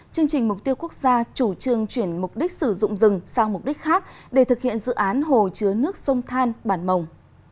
chương trình mục tiêu quốc gia chủ trương chuyển mục đích sử dụng rừng sang mục đích khác để thực hiện dự án hồ chứa nước sông than bản mồng